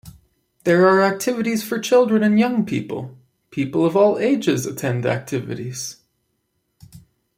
There are activities for children and young people: people of all ages attend activities.